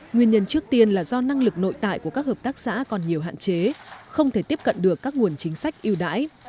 nguyên nhân trước tiên là do năng lực nội tại của các hợp tác xã còn nhiều hạn chế không thể tiếp cận được các nguồn chính sách yêu đãi